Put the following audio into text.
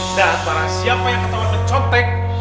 dan para siapa yang ketawa mencontek